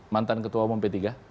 mantan ketua umum p tiga